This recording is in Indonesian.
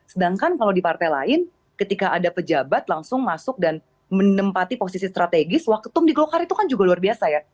sedangkan kalau di partai lain ketika ada pejabat langsung masuk dan menempati posisi strategis waketum di golkar itu kan juga luar biasa ya